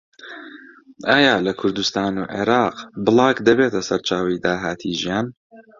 ئایا لە کوردستان و عێراق بڵاگ دەبێتە سەرچاوەی داهاتی ژیان؟